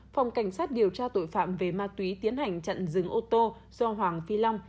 phòng cảnh sát điều tra tội phạm về ma túy tiến hành chặn dừng ô tô do hoàng phi long